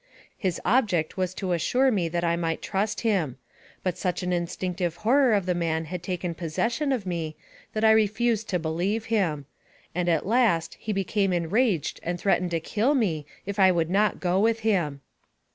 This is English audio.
His object was to assure me that I might trust him ; but such an in stinctive horror of the man had taken possession of me that I refused to believe him; and at last he became enraged and threatened to kill me if I would not go with him.